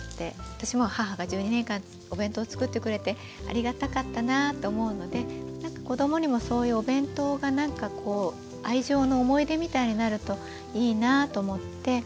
私も母が１２年間お弁当作ってくれてありがたかったなぁと思うのでなんか子供にもそういうお弁当がなんかこう愛情の思い出みたいになるといいなぁと思って。